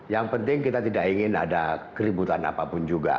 yang penting kita tidak ingin ada keributan apapun juga